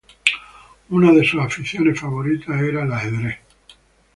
Una de sus aficiones favoritas era el ajedrez.